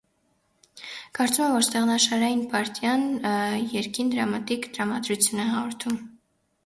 Կարծում եմ, որ ստեղնաշարային պարտիան երգին դրամատիկ տրամադրություն է հաղորդում։